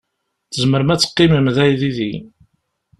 Tzemrem ad teqqimem da yid-i.